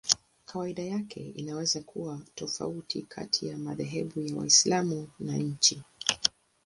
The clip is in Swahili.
Kawaida yake inaweza kuwa tofauti kati ya madhehebu ya Waislamu na nchi.